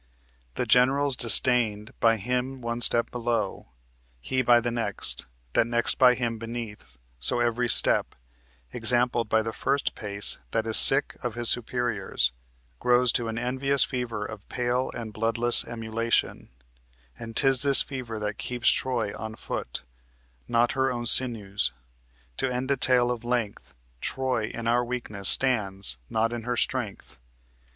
The General's disdained By him one step below; he by the next; That next by him beneath; so every step, Exampled by the first pace that is sick Of his superiors, grows to an envious fever Of pale and bloodless emulation; And 'tis this fever that keeps Troy on foot, Not her own sinews. To end a tale of length, Troy in our weakness stands, not in her strength."